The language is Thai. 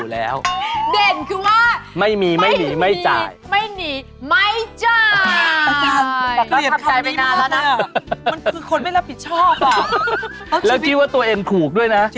แล้วคิดว่าตัวเองถูกด้วยนะ